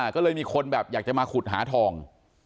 ก็เลยมีคนแบบอยากจะมาขุดหาทอง